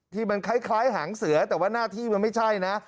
ที่มันคล้ายหางเสือแต่ว่าหน้าที่มันไม่ใช่นะ